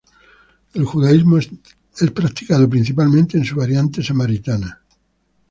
El judaísmo es practicado principalmente en su variante samaritana.